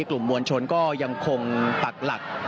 กลุ่มมวลชนก็ยังคงปักหลัก